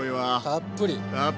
たっぷり！